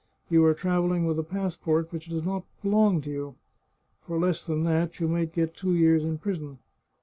You are travelling with a passport which does not belong to you ; for less than that you might get two years in prison.